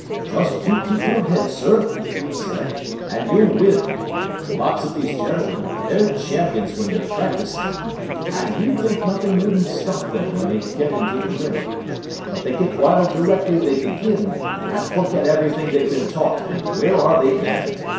"Just you keep your head, sir," he said, "and you'll win. Lots of these gentlemen, they're champions when they're practising, and you'd think nothing wouldn't stop them when they get into the ring. But they get wild directly they begin, and forget everything they've been taught, and where are they then?